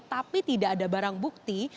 tapi tidak ada barang bukti